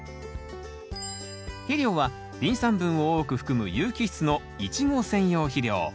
肥料はリン酸分を多く含む有機質のイチゴ専用肥料。